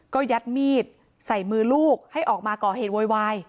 ก็ยัดมีดใส่มือลูกให้ออกมาก่อเหตุโวยวาย